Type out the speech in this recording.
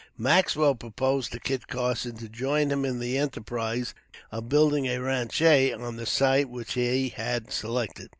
Maxwell proposed to Kit Carson to join him in the enterprise of building a ranche on the site which he had selected.